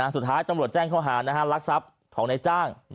สุดท้ายตรวจแจ้งเขาหานะฮะรักสัพธ์ของในจ้าง